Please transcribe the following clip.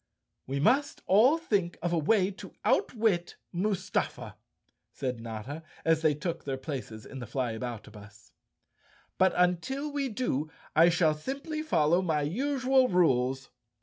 "We must all think of a way to outwit Mustafa," said Notta, as they took their places in the Flyabouta bus. " But until we do I shall simply follow my usual rules."